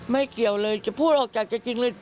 เกี่ยวเลยจะพูดออกจากจะจริงเลย